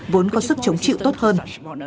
vốn có sức chống chịu tốt hơn